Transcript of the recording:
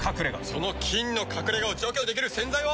その菌の隠れ家を除去できる洗剤は。